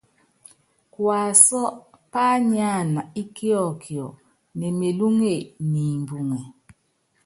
Kuasú pányánana íkiɔkiɔ ne melúŋe niimbuŋɛ.